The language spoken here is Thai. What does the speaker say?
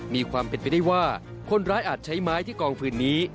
มีความเป็นไปได้ว่าคนร้ายอาจใช้ไม้ที่กองผืนนี้